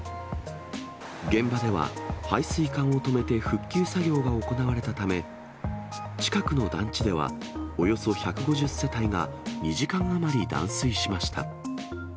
現場では配水管を止めて復旧作業が行われたため、近くの団地では、およそ１５０世帯が２時間余り断水しました。